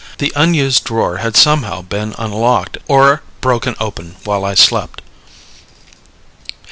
The unused drawer had somehow been unlocked or broken open while I slept.